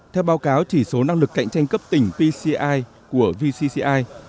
theo báo cáo chỉ số năng lực cạnh tranh cấp tỉnh pci của vcci